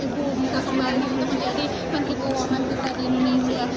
ibu buka kembali untuk menjadi menteri keuangan kita di indonesia